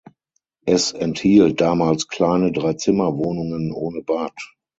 Es enthielt damals kleine Dreizimmerwohnungen ohne Bad.